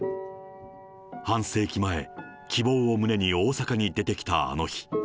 半世紀前、希望を胸に大阪に出てきたあの日。